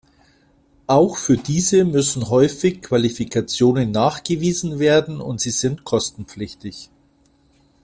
Auch für diese müssen häufig Qualifikationen nachgewiesen werden und sie sind kostenpflichtig.